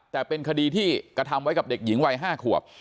แต่เป็นคดีที่กระทำไว้กับเด็กหญิงวัย๕ขวบ